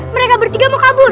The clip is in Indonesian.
mereka bertiga mau kabur